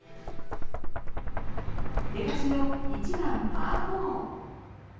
出だしの１番、パー４。